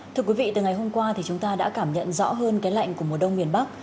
thưa quý vị từ ngày hôm qua thì chúng ta đã cảm nhận rõ hơn cái lạnh của mùa đông miền bắc